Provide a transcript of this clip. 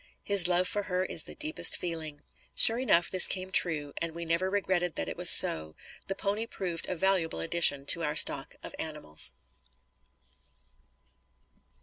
His love for her is the deepest feeling." Sure enough this came true, and we never regretted that it was so. The pony proved a valuable addition to our stock of animals.